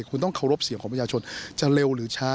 คุณต้องเคารพเสียงของประชาชนจะเร็วหรือช้า